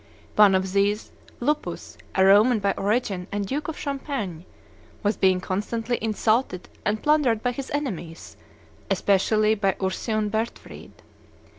One of these, Lupus, a Roman by origin, and Duke of Champagne, "was being constantly insulted and plundered by his enemies, especially by Ursion Bertfried.